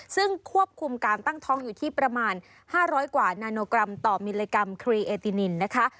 ซึ่งควบคุมการตั้งท้องอยู่ที่ประมาณ๕๐๐กว่านาโนกรัมต่อมิลลิกรัมครีเอตินินนะคะ